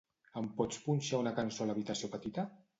Em pots punxar una cançó a l'habitació petita?